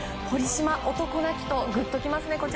堀島男泣きと、グッときますね。